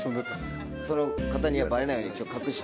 その方にはバレないように隠して。